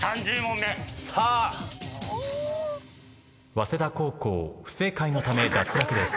早稲田高校不正解のため脱落です。